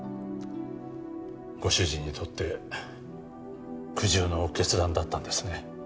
ご主人にとって苦渋の決断だったんですね。